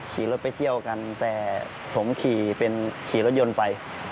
ขี่รถไปเที่ยวกันแต่ผมขี่เป็นขี่รถยนต์ไป